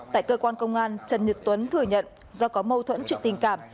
tại cơ quan công an trần nhật tuấn thừa nhận do có mâu thuẫn chuyện tình cảm